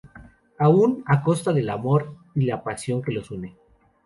Aún a costa del amor y la pasión que los une.